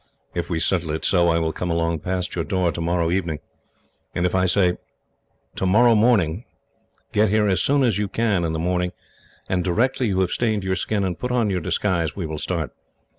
If we settle it so, I will come along past your door, tomorrow evening; and if I say, 'Tomorrow morning,' get here as soon as you can in the morning, and directly you have stained your skin and put on your disguise, we will start.